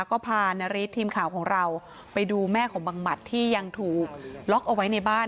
ก็พานาริสทีมข่าวของเราไปดูแม่ของบังหมัดที่ยังถูกล็อกเอาไว้ในบ้าน